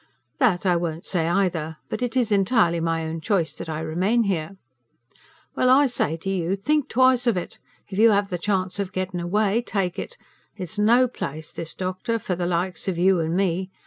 "That I won't say either. But it is entirely my own choice that I remain here." "Well, I say to you, think twice of it! If you have the chance of gettin' away, take it. It's no place this, doctor, for the likes of you and me.